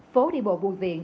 phố đi bộ bùi viện